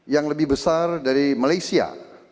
yang lebih besar dari malaysia